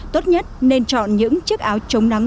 tốt nhất nên chọn những chiếc áo chống nắng